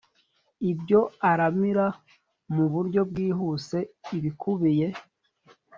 ibyo aramira mu buryo bwihuse ibikubiye